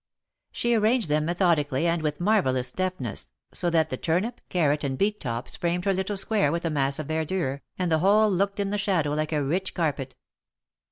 She arranged them methodically and with marvellous deftness, so that the turnip, carrot and beet tops framed her little square with a mass of verdure, and the whole looked in the shadow like a rich carpet.